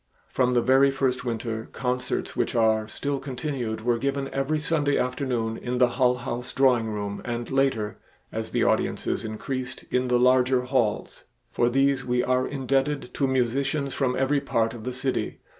From the very first winter, concerts which are still continued were given every Sunday afternoon in the Hull House drawing room and later, as the audiences increased, in the larger halls. For these we are indebted to musicians from every part of the city.